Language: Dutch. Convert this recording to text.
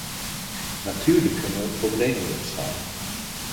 Natuurlijk kunnen er problemen ontstaan.